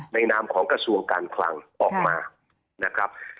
นามของกระทรวงการคลังออกมานะครับ